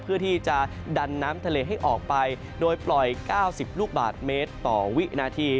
เพื่อที่จะดันน้ำทะเลให้ออกไปโดยปล่อย๙๐ลูกบาทเมตรต่อวินาที